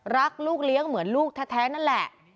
รักลูกเลี้ยงเหมือนลูกแท้นั่นแหละ